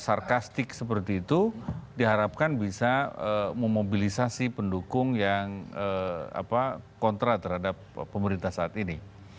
sarkastik seperti itu diharapkan bisa memobilisasi pendukung yang kontra terhadap pemerintah saat ini